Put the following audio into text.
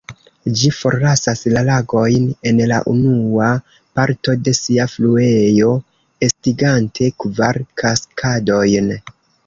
Ĝi forlasas la lagojn, en la unua parto de sia fluejo, estigante kvar kaskadojn.